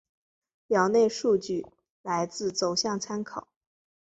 表内数据来自走向参考